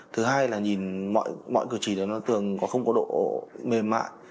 thứ hai là nhìn mọi cửa chỉ đó nó thường không có độ mềm mại